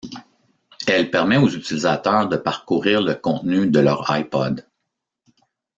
Elle permet aux utilisateurs de parcourir le contenu de leur iPod.